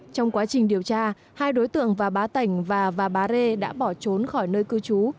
trong quá trình điều tra hai đối tượng và bá tảnh và bá rê đã bỏ trốn khỏi nơi cư trú